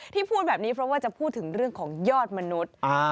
พูดแบบนี้เพราะว่าจะพูดถึงเรื่องของยอดมนุษย์